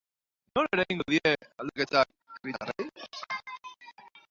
Nola eragingo die aldaketak herritarrei?